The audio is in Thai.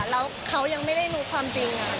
แล้วเขายังไม่ได้รู้ความจริง